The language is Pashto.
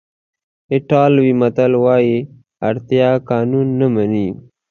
ایټالوي متل وایي اړتیا قانون نه مني.